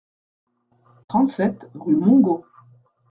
trente-sept rue Mongauld